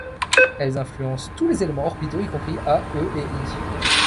Elles influencent tous les éléments orbitaux, y compris a, e et i.